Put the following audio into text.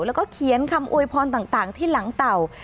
แล้วก็เขียนคำอวยพรต่างที่หลังเต่า